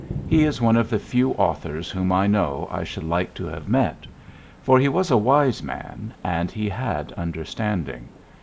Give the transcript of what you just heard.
He is one of the few authors whom I know I should like to have met. For he was a wise man, and he had understanding.